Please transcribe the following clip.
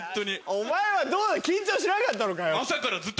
お前は緊張しなかったのかよ。